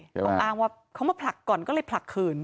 เขาอ้างว่าเขามาผลักก่อนก็เลยผลักคืน